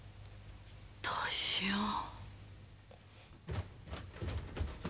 どうしよう。